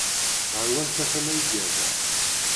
Ɣer wanta tama i yerra?